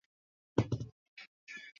Tukakuona wa maana kumbe ni mmbea.